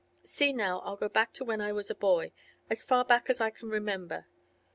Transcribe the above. See now, I'll go back to when I was a boy, as far back as I can remember.